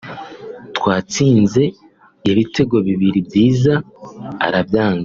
twatsinze ibitego bibiri byiza arabyanga